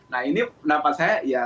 nah ini pendapat saya